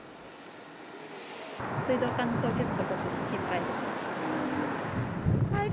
水道管の凍結とか心配です。